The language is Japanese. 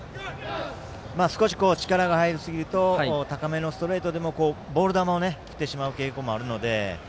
少し力が入りすぎると高めのストレートでもボール球を振ってしまう傾向もあるので。